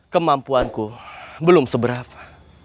kemampuanku belum seberapa